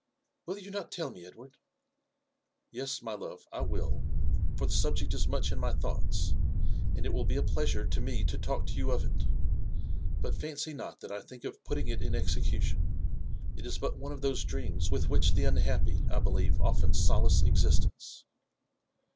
." Will you not tell me, Edward?" " Yes, my love, I will, for the subject is much in my thieugii<a» and it will be a pleasure to me to talk to you of ii. Bat fancy Mt that I think of putting it in execution : it is but one ot those dreams with which the unhappy, I believe, olten solace existence."